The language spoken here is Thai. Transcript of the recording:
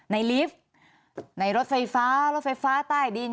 ลิฟต์ในรถไฟฟ้ารถไฟฟ้าใต้ดิน